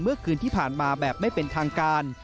เมื่อคืนที่ผ่านมาแบบไม่เป็นทางการ